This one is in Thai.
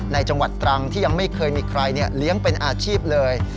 ในจังหวัดตรังที่ยังไม่เคยมีใครเลี้ยงเป็นอาชีพเลย